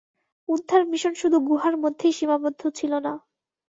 উদ্ধার মিশন শুধু গুহার মধ্যেই সীমাবদ্ধ ছিল না।